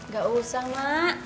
gak usah mak